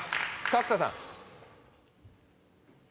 角田さん？